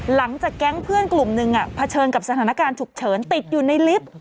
หลังจากแก๊งเพื่อนกลุ่มหนึ่งเผชิญกับสถานการณ์ฉุกเฉินติดอยู่ในลิฟต์